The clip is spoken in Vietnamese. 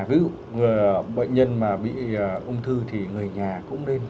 ví dụ bệnh nhân mà bị ung thư thì người nhà cũng nên